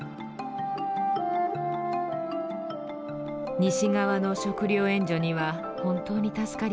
「西側の食料援助には本当に助かりました。